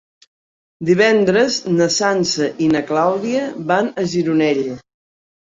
Divendres na Sança i na Clàudia van a Gironella.